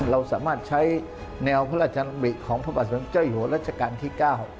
เราสามารถใช้แนวพระราชนำบิของพระบาทศึกษาเจ้าอยู่หลักษกาลที่๙